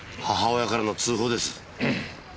母親からの通報です。